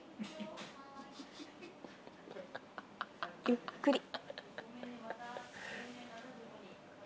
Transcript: ゆっくり。